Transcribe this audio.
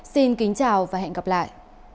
xin kính chào và hẹn gặp lại